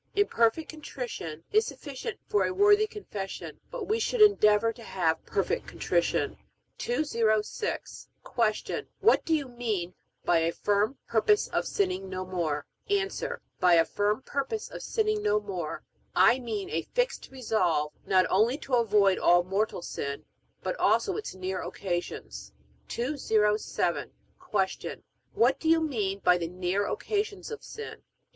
Imperfect contrition is sufficient for a worthy confession, but we should endeavor to have perfect contrition. 206. Q. What do you mean by a firm purpose of sinning no more? A. By a firm purpose of sinning no more I mean a fixed resolve not only to avoid all mortal sin, but also its near occasions. 207. Q. What do you mean by the near occasions of sin? A.